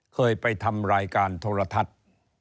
เคยไปทำรายการโทรทัศน์